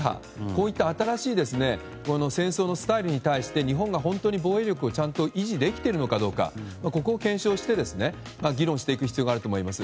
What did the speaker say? こういった新しい戦争のスタイルに対して日本は防衛力をちゃんと維持できているかどうかを検証して議論していく必要があると思います。